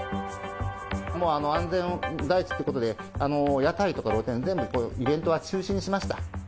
もう安全第一ってことで、屋台とか露店、全部イベントは中止にしました。